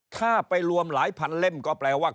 ถ้าไปรวมหลายพันเล่มก็แปลว่า